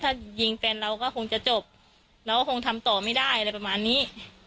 ถ้ายิงแฟนเราก็คงจะจบเราก็คงทำต่อไม่ได้อะไรประมาณนี้